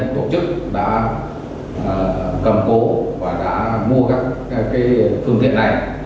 tổ chức đã cầm cố và đã mua các phương tiện này